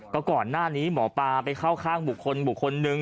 ก็ก่อนหน้านี้หมอปลาไปเข้าข้างบุคคลบุคคลนึง